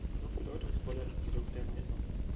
Noch bedeutungsvoller ist jedoch der Weinbau.